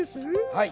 はい。